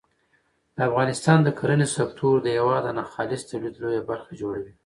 د افغانستان د کرنې سکتور د هېواد د ناخالص تولید لویه برخه جوړوي.